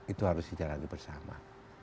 itu harus dijalankan bersama